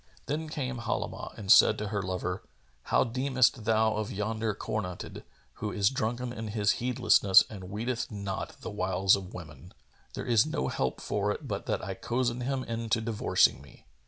Then came Halimah and said to her lover, "How deemest thou of yonder cornuted, who is drunken in his heedlessness and weeteth not the wiles of women? There is no help for it but that I cozen him into divorcing me.